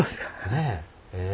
ねえ。